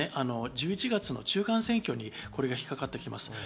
１１月の中間選挙にこれが引っかかってきます。